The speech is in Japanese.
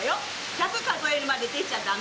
１００数えるまで出ちゃダメ。